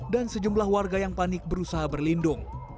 dan sejumlah warga yang panik berusaha berlindung